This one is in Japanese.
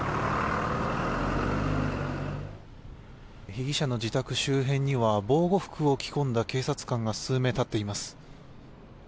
被疑者の自宅周辺には防護服を着こんだ警察官が数名立っています。